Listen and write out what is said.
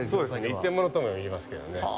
一点物ものとも言いますけどね。